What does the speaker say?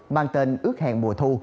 mang tên ước hẹn mùa thu